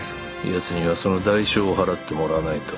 ヤツにはその代償を払ってもらわないと。